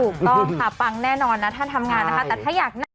ถูกต้องค่ะปังแน่นอนนะถ้าทำงานนะคะ